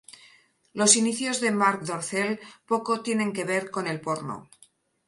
Los inicios de Marc Dorcel poco tienen que ver con el porno.